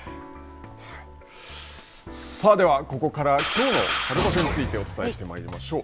さあでは、ここからきょうの春場所についてお伝えしてまいりましょう。